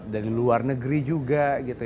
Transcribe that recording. dari luar negeri juga gitu